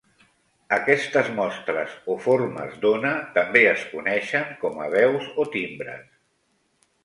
Aquestes mostres o formes d'ona també es coneixen com a veus o timbres.